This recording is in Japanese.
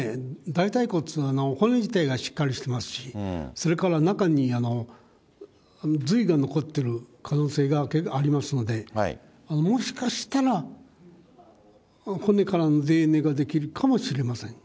大たい骨、骨自体がしっかりしてますし、それから中に髄が残ってる可能性がありますので、もしかしたら、骨からのＤＮＡができるかもしれません。